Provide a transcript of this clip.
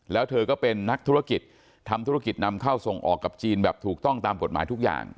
แล้วเธอก็เป็นนักธุรกิจทำธุรกิจนำเข้าส่งออกกับจีนแบบถูกต้องตามกฎหมายทุกอย่าง